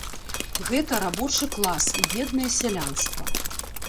Гэта рабочы клас і беднае сялянства.